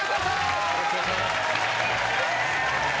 よろしくお願いします。